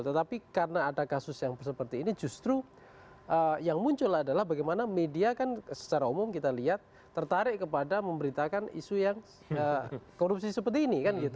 tetapi karena ada kasus yang seperti ini justru yang muncul adalah bagaimana media kan secara umum kita lihat tertarik kepada memberitakan isu yang korupsi seperti ini kan gitu